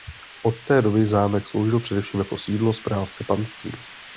Od té doby zámek sloužil především jako sídlo správce panství.